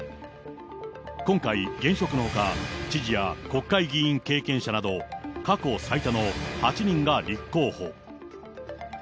今回、現職のほか、知事や国会議員経験者など、過去最多の８人が立候補。